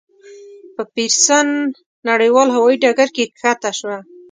په پېرسن نړیوال هوایي ډګر کې کښته شوه.